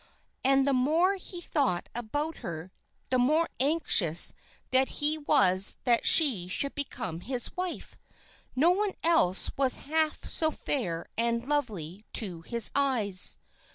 And the more he thought about her, the more anxious he was that she should become his wife. No one else was half so fair and lovely to his eyes.